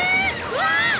うわあっ！